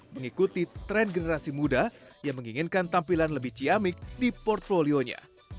mengikuti tren generasi muda yang menginginkan tampilan lebih ciamik di portfolionya